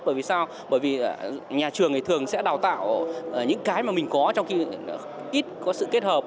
bởi vì sao bởi vì nhà trường thì thường sẽ đào tạo những cái mà mình có trong khi ít có sự kết hợp